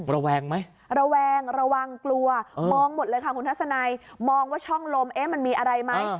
ระแวงเหลือกลัวมองหมดเลยค่ะมองว่าช่องลมมีอะไรไหม